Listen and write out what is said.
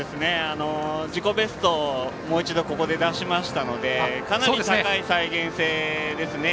自己ベスト、もう一度ここで出しましたのでかなり高い再現性ですね。